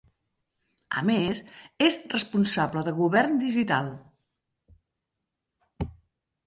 A més, és responsable de Govern Digital.